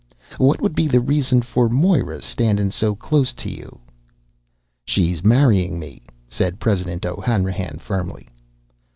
What would be the reason for Moira standin' so close to you?" "She's marryin' me," said President O'Hanrahan firmly.